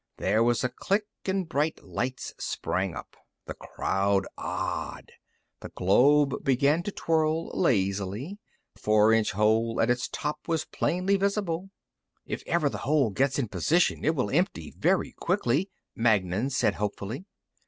There was a click and bright lights sprang up. The crowd ah! ed. The globe began to twirl lazily. The four inch hole at its top was plainly visible. "If ever the hole gets in position it will empty very quickly," Magnan said, hopefully.